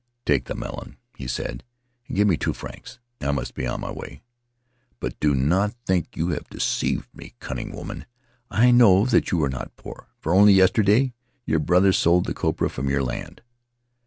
"Take the melon," he said, "and give me two francs; I must be on my way. But do not think you have deceived me, cunning woman; I know that you are not poor, for only yesterday your brother sold the copra from your land."